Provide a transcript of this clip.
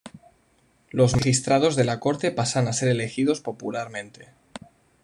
Los Magistrados de la Corte pasan a ser elegidos popularmente.